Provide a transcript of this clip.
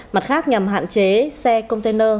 mặt khác nhằm hạn chế xe container